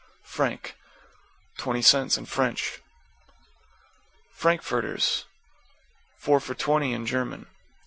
=FRANC= Twenty cents, in French. =FRANKFURTERS= Four for twenty, in German.